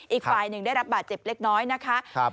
อีกฝ่ายหนึ่งได้รับบาดเจ็บเล็กน้อยนะคะ